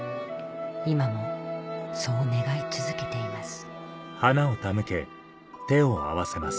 今もそう願い続けています